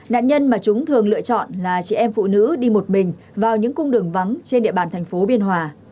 nạn nhân mà chúng thường lựa chọn là chị em phụ nữ đi một mình vào những cung đường vắng trên địa bàn thành phố biên hòa